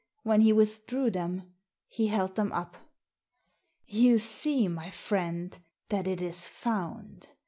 When he withdrew them he held them up. " You see, my friend, that it is found.